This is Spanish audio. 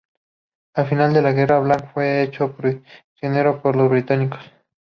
Al final de la guerra, Blanc fue hecho prisionero por los británicos.